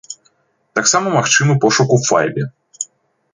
Таксама магчымы пошук у файле.